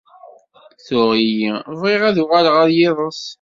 Tuɣ-iyi bɣiɣ ad uɣaleɣ ar yiḍes.